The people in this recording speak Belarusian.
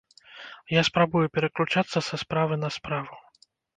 Я спрабую пераключацца са справы на справу.